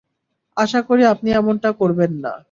আশা করি আপনি এমনটা করবেন না?